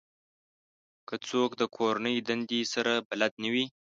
که څوک د کورنۍ دندې سره بلد نه وي